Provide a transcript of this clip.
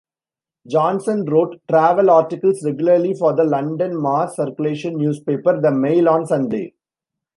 Johnson wrote travel articles regularly for the London mass-circulation newspaper "The Mail on Sunday".